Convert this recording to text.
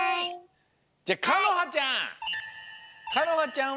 じゃあかのはちゃん！